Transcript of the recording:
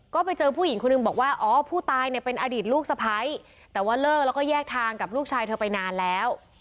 ก็ไปเจอผู้หญิงคนหนึ่งบอกว่าอ๋อผู้ตายเนี่ยเป็นอดีตลูกสะพ้ายแต่ว่าเลิกแล้วก็แยกทางกับลูกชายเธอไปนานแล้ว